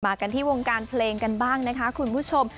กันที่วงการเพลงกันบ้างนะคะคุณผู้ชม